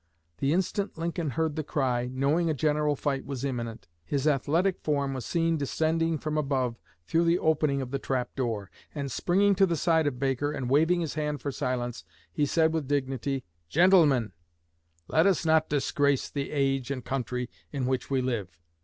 The instant Lincoln heard the cry, knowing a general fight was imminent, his athletic form was seen descending from above through the opening of the trap door, and, springing to the side of Baker, and waving his hand for silence, he said with dignity: 'Gentlemen, let us not disgrace the age and country in which we live.